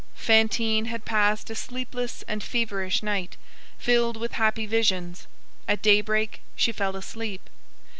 Fantine had passed a sleepless and feverish night, filled with happy visions; at daybreak she fell asleep.